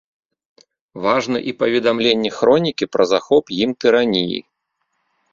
Важна і паведамленне хронікі пра захоп ім тыраніі.